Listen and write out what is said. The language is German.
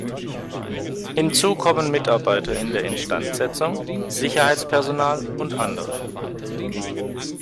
Hinzu kommen Mitarbeiter in der Instandsetzung, Sicherheitspersonal und andere.